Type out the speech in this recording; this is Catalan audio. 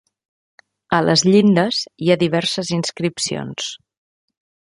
A les llindes hi ha diverses inscripcions.